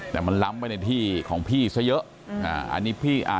แต่มันล้ำไว้ในที่ของพี่ซะเยอะ